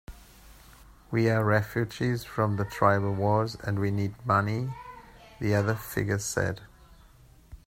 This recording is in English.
"We're refugees from the tribal wars, and we need money," the other figure said.